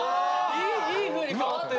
いいふうに変わってる！